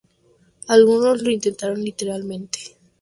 Algunos lo intentaron literalmente.